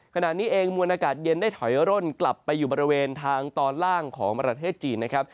ขณะนี้เองมวลอากาศเย็นได้ถอยร่นกลับไปอยู่บริเวณทางตอนล่างของประเทศจีนนะครับ